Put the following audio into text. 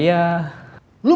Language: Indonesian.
lo mau mundur juga